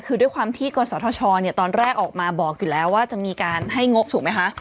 คือด้วยความที่กศธชตอนแรกออกมาบอกอยู่แล้วว่าจะมีการให้งบถูกไหมคะ